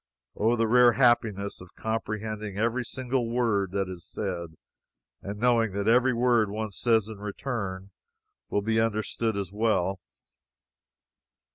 Oh, the rare happiness of comprehending every single word that is said, and knowing that every word one says in return will be understood as well!